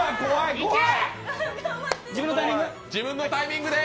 自分のタイミングで。